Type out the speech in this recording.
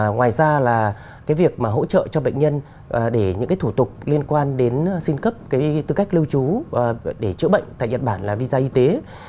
ngoài ra là việc hỗ trợ cho bệnh nhân để những thủ tục liên quan đến xin cấp tư cách lưu trú để chữa bệnh tại nhật bản là visa y tế